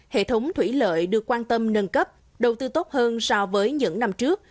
hệ thống thủy lợi được quan tâm nâng cấp đầu tư tốt hơn so với những năm trước